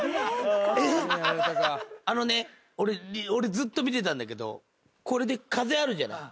あのね俺ずっと見てたんだけど風あるじゃない。